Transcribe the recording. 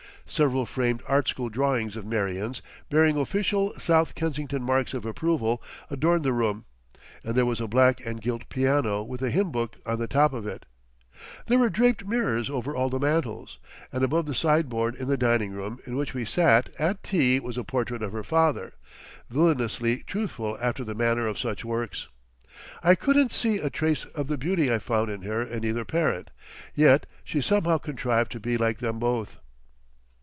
Several framed Art School drawings of Marion's, bearing official South Kensington marks of approval, adorned the room, and there was a black and gilt piano with a hymn book on the top of it. There were draped mirrors over all the mantels, and above the sideboard in the dining room in which we sat at tea was a portrait of her father, villainously truthful after the manner of such works. I couldn't see a trace of the beauty I found in her in either parent, yet she somehow contrived to be like them both.